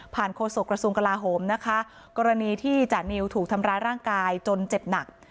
โฆษกระทรวงกลาโหมนะคะกรณีที่จานิวถูกทำร้ายร่างกายจนเจ็บหนัก